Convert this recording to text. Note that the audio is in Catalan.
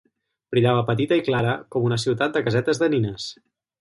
Brillava petita i clara com una ciutat de casetes de nines.